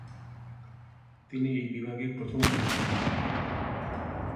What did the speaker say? তিনি এই বিভাগে প্রথম পুরস্কার বিজয়ী।